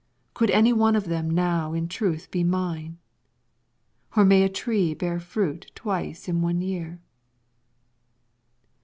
Could any one of them be now in truth mine, or may a tree bear fruit twice in one year?